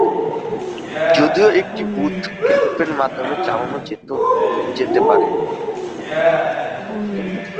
যদিও এটি বুট ক্যাম্পের মাধ্যমে চালানো যেতে পারে।